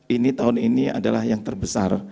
ini tahun ini adalah yang terbesar